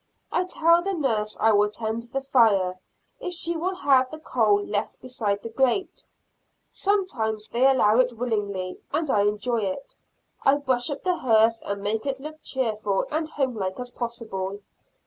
I tell the nurse I will tend the fire, if she will have the coal left beside the grate. Sometimes they allow it willingly, and I enjoy it. I brush up the hearth, and make it look cheerful and homelike as possible.